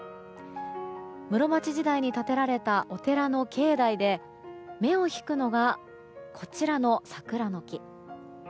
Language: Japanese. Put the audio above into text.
室町時代に建てられたお寺の境内で目を引くのが、こちらの桜の木。